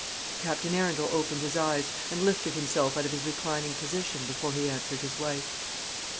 Captain Arundel opened his eyes, and lifted himself out of his reclining position before he answered his wife.